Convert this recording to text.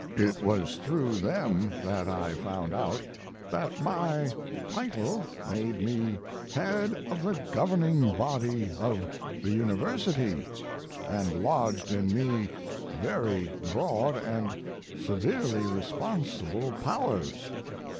It was through them that I found out that my title made me head of the Governing Body of the University, and lodged in me very broad and severely responsible powers.